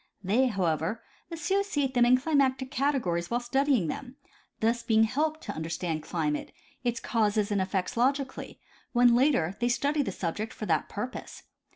They, however, associate them in climatic categories while studying them, thus being helped to understand climate, its causes and effects logically, when later, they study the subject for that purpose.